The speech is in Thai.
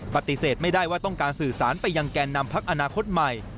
ปฏิเสธไม่ได้ว่าต้องการสื่อสารไปยังแก่นำพักอนาคตใหม่